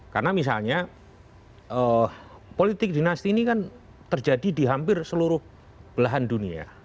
karena misalnya politik dinasti ini kan terjadi di hampir seluruh belahan dunia